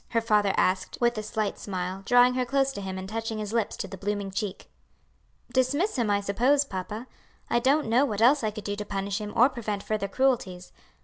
her lather asked, with a slight smile, drawing her close to him and touching his lips to the blooming cheek. "Dismiss him, I suppose, papa; I don't know what else I could do to punish him or prevent further cruelties.